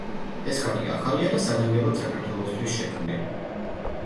ეს ხატი ახალია და საგანგებოდ საქართველოსთვის შექმნილი.